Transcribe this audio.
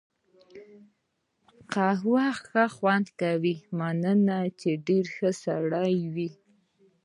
قهوې ښه خوند وکړ، مننه، چې ډېر ښه سړی وې.